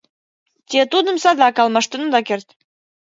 Те тудым садак алмаштен ода керт.